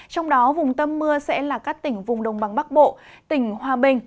trong đó vùng tâm mưa sẽ là các tỉnh vùng đồng bằng bắc bộ tỉnh hòa bình